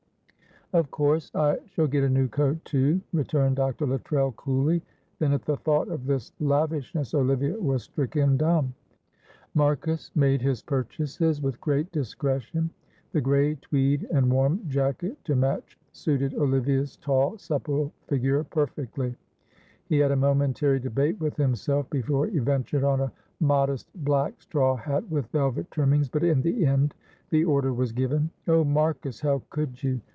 "Of course I shall get a new coat too," returned Dr. Luttrell, coolly. Then at the thought of this lavishness Olivia was stricken dumb. Marcus made his purchases with great discretion; the grey tweed and warm jacket to match suited Olivia's tall supple figure perfectly he had a momentary debate with himself before he ventured on a modest black straw hat with velvet trimmings, but in the end the order was given. "Oh, Marcus, how could you!"